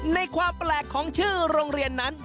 ในความแปลกของชื่อโรงเรียนนั้น